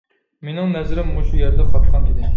مېنىڭ نەزىرىم مۇشۇ يەردە قاتقان ئىدى.